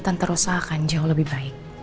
tante rosa akan jauh lebih baik